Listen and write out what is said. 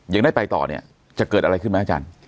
ยังได้ไปต่อเนี่ยจะเกิดอะไรขึ้นไหมอาจารย์